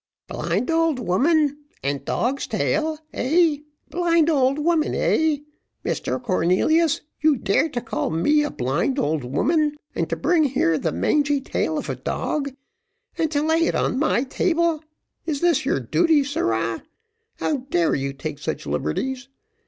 "Blind old woman! and dog's tail, eh! Blind old woman, eh! Mr Cornelius, you dare to call me a blind old woman, and to bring here the mangy tail of a dog and to lay it on my table! Is this your duty, sirrah? How dare you take such liberties?